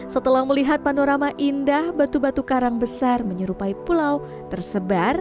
setelah melihat panorama indah batu batu karang besar menyerupai pulau tersebar